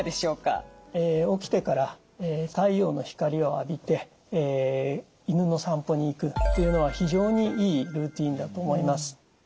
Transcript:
起きてから太陽の光を浴びて犬の散歩に行くっていうのは非常にいいルーティンだと思います。